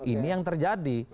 ini yang terjadi